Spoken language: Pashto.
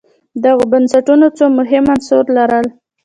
دغو بنسټونو څو مهم عناصر لرل